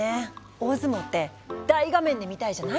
大相撲って大画面で見たいじゃない？